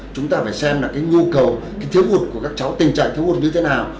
chúng ta phải xem nhu cầu thiếu hụt của các cháu tình trạng thiếu hụt như thế nào